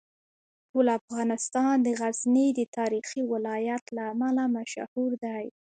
ټول افغانستان د غزني د تاریخي ولایت له امله مشهور دی.